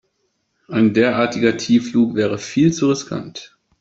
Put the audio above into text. Ein derartiger Tiefflug wäre viel zu riskant.